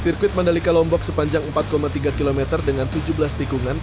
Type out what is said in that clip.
sirkuit mandalika lombok sepanjang empat tiga km dengan tujuh belas tikungan